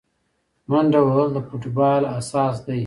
منډه وهل د فوټبال اساس دی.